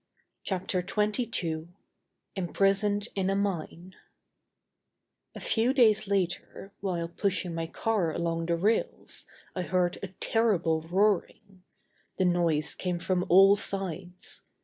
CHAPTER XXII IMPRISONED IN A MINE A few days later, while pushing my car along the rails, I heard a terrible roaring. The noise came from all sides.